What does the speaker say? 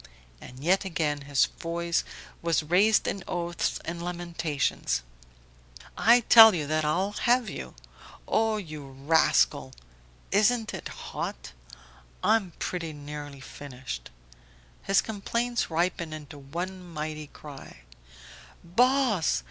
And yet again his voice was raised in oaths and lamentations: "I tell you that I'll have you ... Oh you rascal! Isn't it hot? .. I'm pretty nearly finished ..." His complaints ripened into one mighty cry: "Boss!